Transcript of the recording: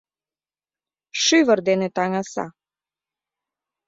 Шӱвыр дене таҥаса.